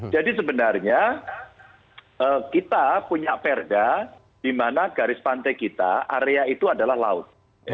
jadi sebenarnya kita punya perda di mana garis pantai kita area itu adalah laut